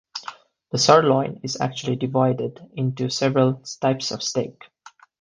The sirloin is actually divided into several types of steak.